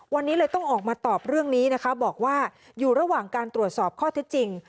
วันนี้เลยต้องออกมาตอบเรื่องนี้นะคะบอกว่าอยู่ระหว่างการตรวจสอบข้อเท็จจริง